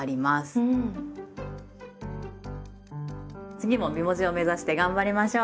次も美文字を目指して頑張りましょう！